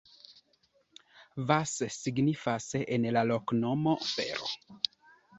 Vas signifas en la loknomo: fero.